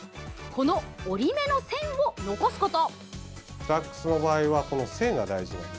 この折り目の線を残すこと。